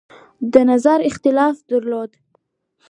د نظر اختلاف درلود.